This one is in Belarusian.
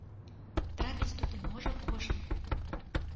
Трапіць туды можа кожны.